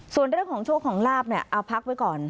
ส่วนเรื่องของโชคของลาบเนี่ยเอาพักไว้ก่อน